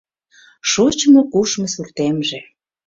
Шочмо-кушмо суртемже